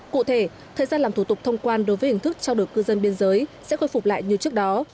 cụ thể thời gian làm thủ tục thông quan đối với hình thức trao đổi cư dân biên giới sẽ khôi phục lại như trước đó